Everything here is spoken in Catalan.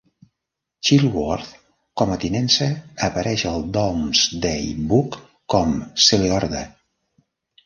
Chilworth com a tinença apareix al Domesday Book com "Celeorde".